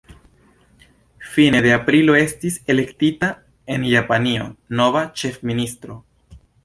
Fine de aprilo estis elektita en Japanio nova ĉefministro.